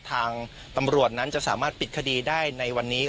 ทางตำรวจนั้นจะสามารถปิดคดีได้ในวันนี้